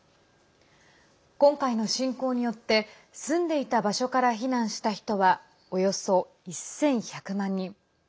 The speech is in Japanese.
今回の侵攻によって住んでいた場所から避難した人はおよそ１１００万人。